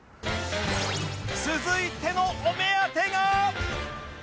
続いてのお目当てが